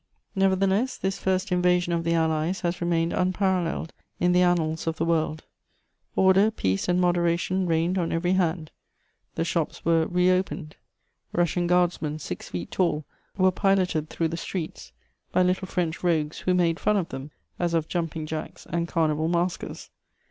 Nevertheless, this first invasion of the Allies has remained unparalleled in the annals of the world: order, peace and moderation reigned on every hand; the shops were re opened; Russian guardsmen, six feet tall, were piloted through the streets by little French rogues who made fun of them, as of jumping jacks and carnival maskers.